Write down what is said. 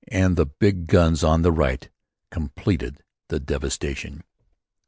And the big guns on the right completed the devastation.